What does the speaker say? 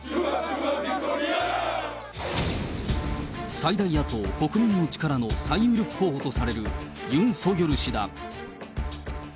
最大野党・国民の力の最有力候補とされるユン・ソギョル氏だ。